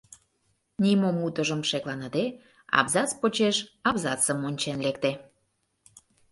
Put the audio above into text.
Нимом утыжым шекланыде, абзац почеш абзацым ончен лекте.